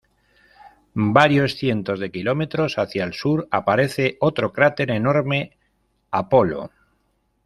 Varios cientos de kilómetros hacia el sur aparece otro cráter enorme, Apolo.